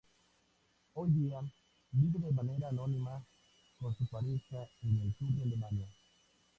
Hoy día, vive de manera anónima con su pareja en el sur de Alemania.